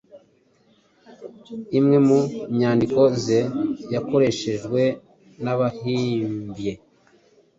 Imwe mu nyandiko ze yakoreshejwe n’abahimbye